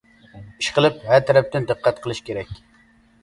ئىش قىلىپ، ھە تەرەپتىن دىققەت قىلىش كېرەك.